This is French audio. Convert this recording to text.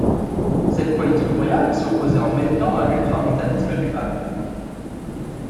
Cette politique royale s'opposait en même temps à l'ultramontanisme du pape.